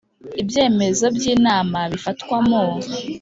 Ibyemezo by inama bifatwa mu